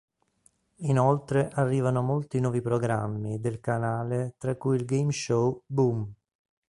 Inoltre arrivano molti nuovi programmi del canale tra cui il game show "Boom!